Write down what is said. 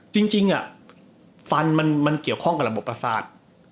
จริงจริงอ่ะฟันมันมันเกี่ยวข้องกับระบบประสาทอ๋อ